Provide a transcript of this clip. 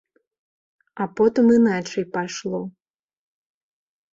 А потым іначай пайшло.